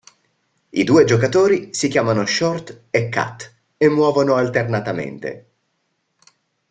I due giocatori si chiamano Short e Cut, e muovono alternatamente.